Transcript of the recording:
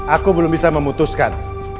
aku belum bisa memutuskan